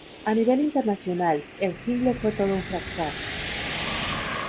A nivel internacional, el single fue todo un fracaso.